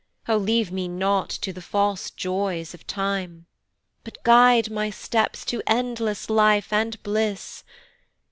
O leave me not to the false joys of time! But guide my steps to endless life and bliss.